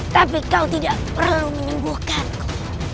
tapi kau tidak perlu menyembuhkanku